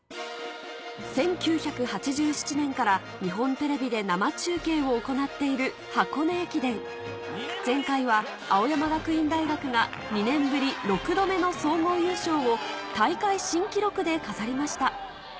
１９８７年から日本テレビで生中継を行っている前回は青山学院大学が２年ぶり６度目の総合優勝を大会新記録で飾りました